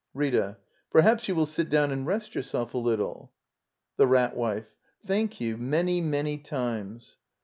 Rita. Perhaps you will sit down and rest your self a little? The Rat Wife. Thank you, many, many times!